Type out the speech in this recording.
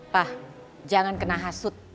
pak jangan kena hasut